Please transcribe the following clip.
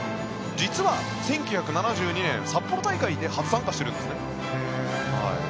実は１９７２年、札幌大会で初参加しているんですね。